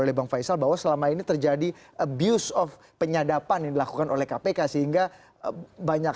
oleh bang faisal bahwa selama ini terjadi abuse of penyadapan yang dilakukan oleh kpk sehingga banyak